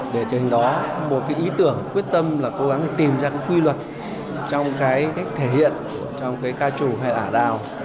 để trên đó một ý tưởng quyết tâm là cố gắng tìm ra quy luật trong cách thể hiện trong cái ca trù hay ả đào